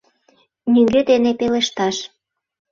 Нигӧ дене пелешташ.